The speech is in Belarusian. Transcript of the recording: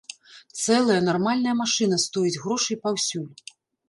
Цэлая, нармальная машына стоіць грошай паўсюль!